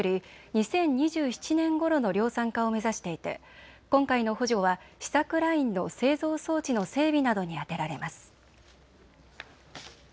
２０２７年ごろの量産化を目指していて今回の補助は試作ラインの製造装置の整備などに充てられます。